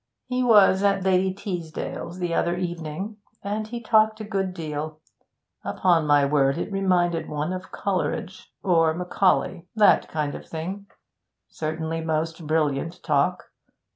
He was at Lady Teasdale's the other evening, and he talked a good deal. Upon my word, it reminded one of Coleridge, or Macaulay, that kind of thing. Certainly most brilliant talk.